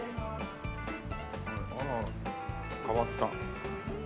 あら変わった。